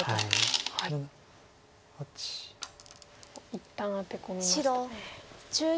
一旦アテ込みましたね。